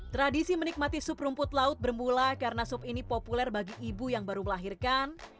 tradisi menikmati sup rumput laut bermula karena sup ini populer bagi ibu yang baru melahirkan